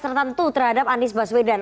tertentu terhadap anies baswedan